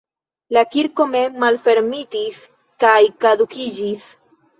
La kirko mem malfermitis kaj kadukiĝis.